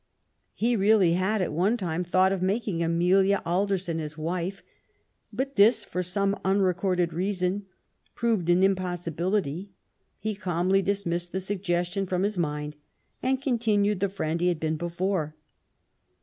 He really had, at one time^ thought of making Amelia Alderson his wife ; but this, for some unrecorded reason, proving an impossibility, he calmly dismissed the suggestion from his mind and continued the friend he had been before.